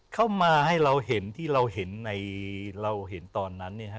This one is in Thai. เข้ามาให้เราเห็นที่เราเห็นในเราเห็นตอนนั้นเนี่ยฮะ